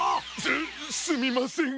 すすみません。